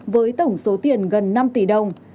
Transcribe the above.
với tổng số tiền gần năm tỷ đồng